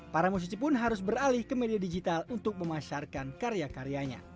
para musisi pun harus beralih ke media digital untuk memasarkan karya karyanya